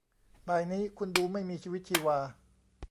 บ่ายนี้คุณดูไม่มีชีวิตชีวา